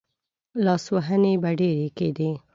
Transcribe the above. لاسوهنې به ډېرې کېدې.